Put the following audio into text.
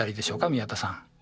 宮田さん。